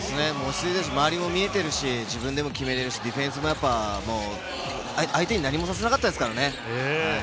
周りも見えてるし、自分でも決められるし、ディフェンスも相手に何もさせなかったからですからね。